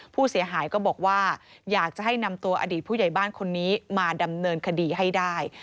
ผู้เสียหายก็บอกว่าอยากจะให้นำตัวอดีตผู้ใหญ่บ้านคนนี้มาดำเนินคดีให้ได้